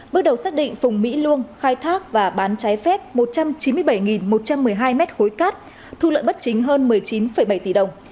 bước đầu xác định phùng mỹ luông khai thác và bán trái phép một trăm chín mươi bảy một trăm một mươi hai mét khối cát thu lợi bất chính hơn một mươi chín bảy tỷ đồng